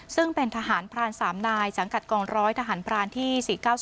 ซึ่งเป็นทหารพราน๓นายสังกัดกองร้อยทหารพรานที่๔๙๒